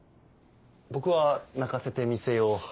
僕は「鳴かせてみせよう」